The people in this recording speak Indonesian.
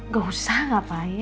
gak usah ngapain